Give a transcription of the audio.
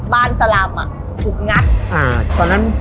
บ้านสลามถูกงัด